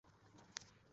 একটি কথা কইলেন না।